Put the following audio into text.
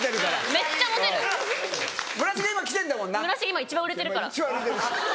今一番売れてるから。